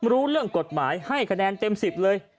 รู้เรื่องกฎหมายให้คะแนนเต็ม๑๐เลย